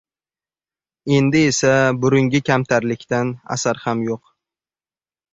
Endi esa burungi kamtarlikdan asar ham yo‘q.